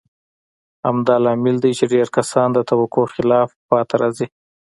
همدا لامل دی چې ډېر کسان د توقع خلاف پاتې راځي.